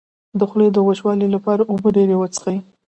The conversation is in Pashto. د خولې د وچوالي لپاره اوبه ډیرې وڅښئ